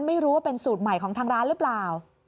ไม่รู้ว่าเป็นสูตรใหม่ของทางร้านหรือเปล่า